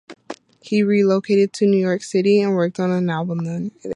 He relocated to New York City and worked on an album there.